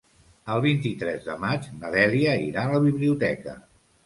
El vint-i-tres de maig na Dèlia irà a la biblioteca.